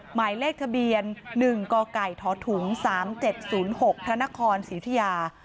หมายเลขทะเบียน๑๓๗๐๖พระนครศรีอยุทยา